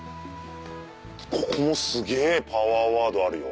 ここもすげぇパワーワードあるよ。